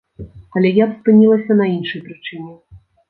Але я б спынілася на іншай прычыне.